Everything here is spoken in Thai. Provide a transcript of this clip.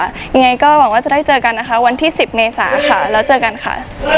ยังไงก็หวังว่าจะได้เจอกันนะคะวันที่๑๐เมษาค่ะแล้วเจอกันค่ะ